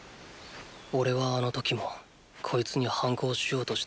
おれはあの時もこいつに反抗しようとして。